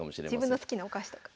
自分の好きなお菓子とか。